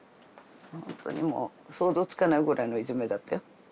ほんとにもう想像つかないくらいのいじめだったよ。